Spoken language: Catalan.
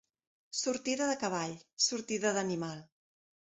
Sortida de cavall, sortida d'animal.